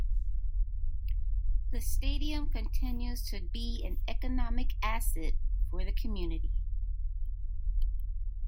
The Stadium continues to be an economic asset for the community.